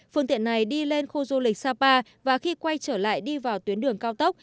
phương tiện này đi lên khu du lịch sapa và khi quay trở lại đi vào tuyến đường cao tốc